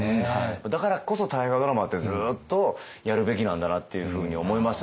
だからこそ大河ドラマってずっとやるべきなんだなっていうふうに思いました